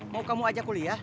mau kamu ajak kuliah